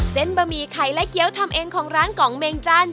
บะหมี่ไข่และเกี้ยวทำเองของร้านกองเมงจัน